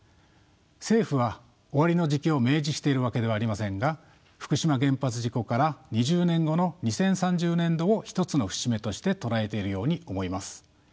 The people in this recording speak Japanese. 政府は終わりの時期を明示しているわけではありませんが福島原発事故から２０年後の２０３０年度を一つの節目として捉えているように思います。